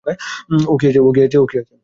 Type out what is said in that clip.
ও কি আছে?